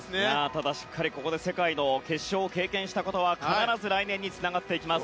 ただ、しっかりとここで世界の決勝を経験したことは必ず来年につながっていきます。